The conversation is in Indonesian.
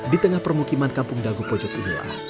di tengah permukiman kampung dago pocok ini lah